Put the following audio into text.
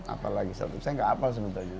apa lagi satu saya gak hafal sebenarnya